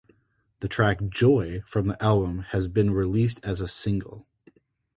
The track "Joy" from the album has been released as a single.